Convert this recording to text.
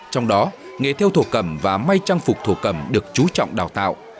trong đó nghề theo thổ cẩm và may trang phục thổ cẩm được chú trọng đào tạo